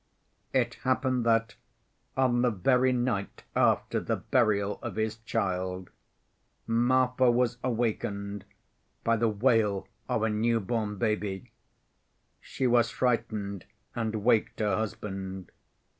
It happened that, on the very night after the burial of his child, Marfa was awakened by the wail of a new‐born baby. She was frightened and waked her husband.